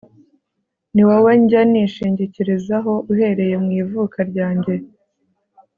ni wowe njya nishingikirizaho uhereye mu ivuka ryanjye